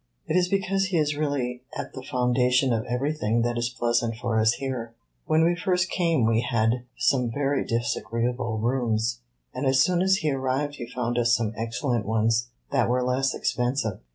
"It is because he is really at the foundation of everything that is pleasant for us here. When we first came we had some very disagreeable rooms, and as soon as he arrived he found us some excellent ones that were less expensive.